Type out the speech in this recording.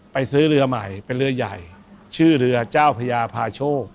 ซื้อเรือใหม่เป็นเรือใหญ่ชื่อเรือเจ้าพญาพาโชค